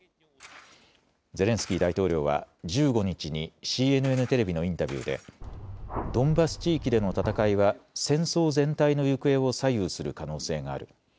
ゼレンスキー大統領は１５日にＣＮＮテレビのインタビューでドンバス地域での戦いは戦争全体の行方を左右する可能性がある。